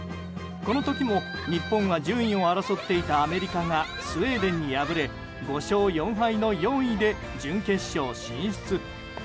この時も日本は順位を争っていたアメリカがスウェーデンに敗れ５勝４敗の４位で準決勝進出。